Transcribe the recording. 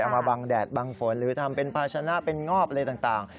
มาบังแดดบังฝนหรือทำเป็นภาชนะเป็นงอบอะไรต่าง